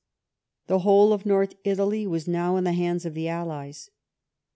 The whole of north Italy was now in the hands of the allies.